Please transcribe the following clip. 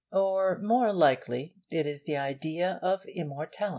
Or more likely it is the idea of immortality.